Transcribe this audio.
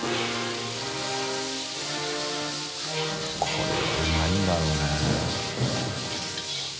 海譴うまいんだろうね。